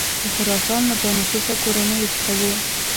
د خراسان له بانفوذه کورنیو څخه وه.